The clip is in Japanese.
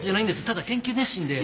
ただ研究熱心で。